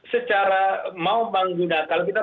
secara mau bang guna kalau kita